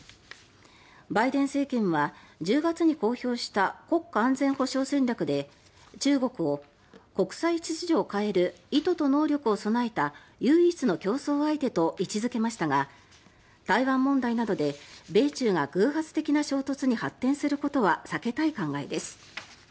バイデン政権は１０月に公表した国家安全保障戦略で中国を、国際秩序を変える意図と能力を備えた唯一の競争相手と位置付けましたが台湾問題などで米中が偶発的な衝突に発展することは避けたい考えです。